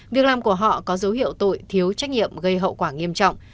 việc làm của họ có dấu hiệu tội thiếu trách nhiệm gây hậu quả nghiêm trọng